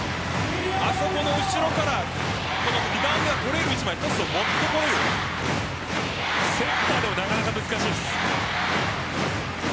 あそこの後ろからリバウンド取れる位置までトスを持ってこられるセッターでもなかなか難しいです。